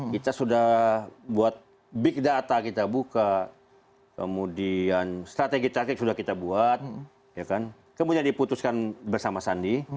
kita sudah buat big data kita buka kemudian strategi taktik sudah kita buat kemudian diputuskan bersama sandi